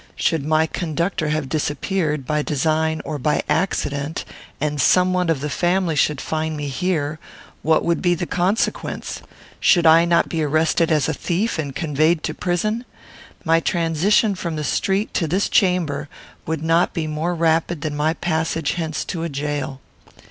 Should my conductor have disappeared, by design or by accident, and some one of the family should find me here, what would be the consequence? Should I not be arrested as a thief, and conveyed to prison? My transition from the street to this chamber would not be more rapid than my passage hence to a jail.